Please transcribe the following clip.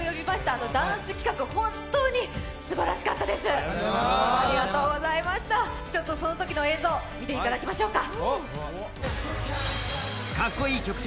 あのダンス企画、本当にすばらしかったです、ありがとうございましたちょっとそのときの映像見ていただきましょうか。